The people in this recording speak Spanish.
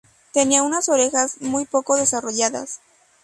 Tenía unas orejas muy poco desarrolladas.